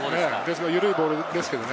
ゆるいボールですけどね。